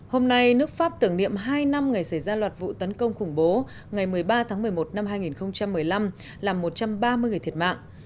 hôm nay nước pháp tưởng niệm hai năm ngày xảy ra loạt vụ tấn công khủng bố ngày một mươi ba tháng một mươi một năm hai nghìn một mươi năm làm một trăm ba mươi người thiệt mạng